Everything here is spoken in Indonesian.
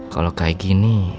kalau kayak gini